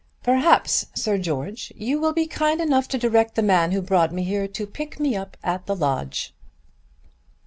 "Perhaps, Sir George, you will be kind enough to direct the man who brought me here to pick me up at the lodge."